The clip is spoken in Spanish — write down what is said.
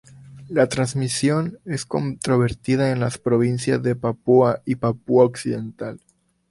La transmigración es controvertida en las provincias de Papúa y Papúa Occidental.